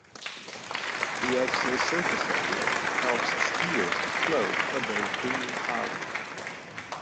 That extra surface area helps skiers to float above premium powder.